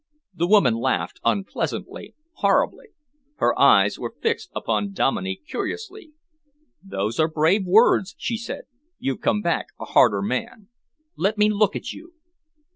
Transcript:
The woman laughed, unpleasantly, horribly. Her eyes were fixed upon Dominey curiously. "Those are brave words," she said. "You've come back a harder man. Let me look at you."